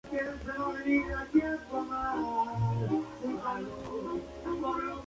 El estilo musical de Krystal Meyers ha variado en cada uno de sus álbumes.